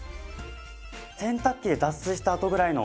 洗濯機で脱水したあとぐらいの。